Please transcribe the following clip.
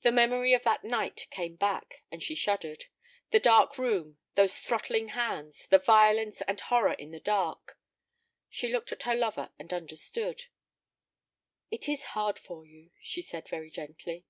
The memory of that night came back, and she shuddered: the dark room, those throttling hands, the violence and horror in the dark. She looked at her lover and understood. "It is hard for you," she said, very gently.